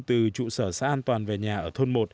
từ trụ sở xã an toàn về nhà ở thôn một